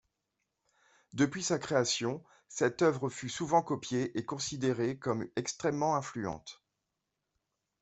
Depuis sa création, cette œuvre fut souvent copiée et considérée comme extrêmement influente.